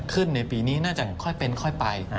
ในปีนี้น่าจะค่อยเป็นค่อยไป